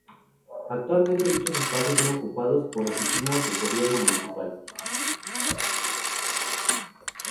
Actualmente dichos espacios son ocupados por oficinas del Gobierno Municipal.